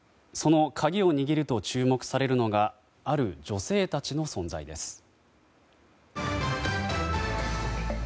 その鍵を握ると注目されるのがある女性たちの存在です。